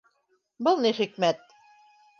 Был ни хикмәт?